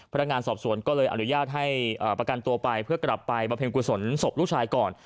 พนักงานสอบสวนก็เลยอนุญาตให้ประกันตัวไปเพื่อกลับไปบำเพ็ญกุศลศพลูกชายก่อน